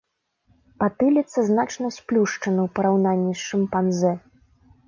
Патыліца значна сплюшчана ў параўнанні з шымпанзэ.